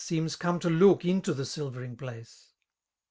Seems come to look into the silvering place.